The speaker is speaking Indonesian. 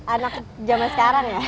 anak jaman sekarang ya